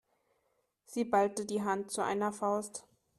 Sie ballte die Hand zu einer Faust.